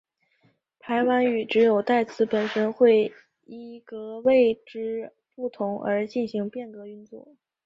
排湾语只有代词本身会依格位之不同而进行变格运作。